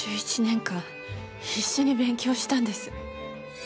１１年間必死に勉強したんです。